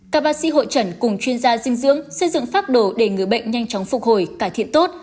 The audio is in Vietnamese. các bác sĩ hội trần cùng chuyên gia dinh dưỡng xây dựng pháp đồ để người bệnh nhanh chóng phục hồi cải thiện tốt